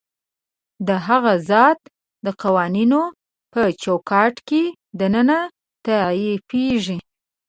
د هغه ذات د قوانینو په چوکاټ کې دننه تعریفېږي.